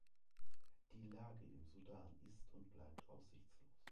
Die Lage im Sudan ist und bleibt aussichtslos.